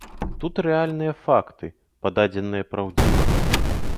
Тут рэальныя факты, пададзеныя праўдзіва.